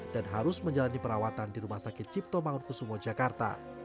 dan harus menjalani perawatan di rumah sakit cipto mangun kusungo jakarta